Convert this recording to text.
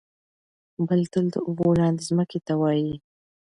بل تل د اوبو لاندې ځمکې ته وايي.